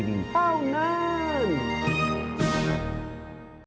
เต้านาน